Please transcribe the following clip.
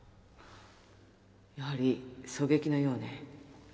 やはり狙撃のようね。